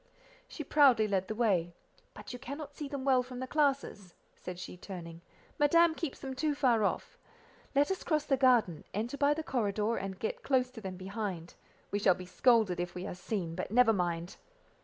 She proudly led the way—"But you cannot see them well from the classes," said she, turning, "Madame keeps them too far off. Let us cross the garden, enter by the corridor, and get close to them behind: we shall be scolded if we are seen, but never mind."